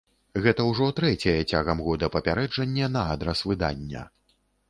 Гэта ўжо трэцяе цягам года папярэджанне на адрас выдання.